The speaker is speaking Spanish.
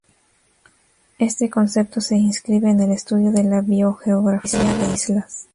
Este concepto se inscribe en el estudio de la biogeografía de islas.